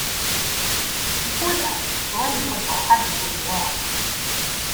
Before that, Burundi football had been doing well.